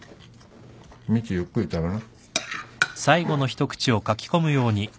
みちゆっくり食べな。